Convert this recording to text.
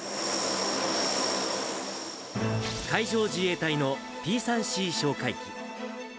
海上自衛隊のＰ３Ｃ哨戒機。